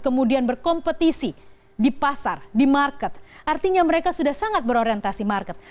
kemudian berkompetisi di pasar di market artinya mereka sudah sangat berorientasi market